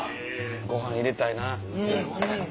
ご飯入れたいな。